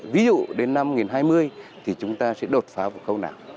ví dụ đến năm hai nghìn hai mươi thì chúng ta sẽ đột phá vào khâu nào